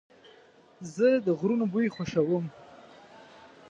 زه د غرونو بوی خوښوم.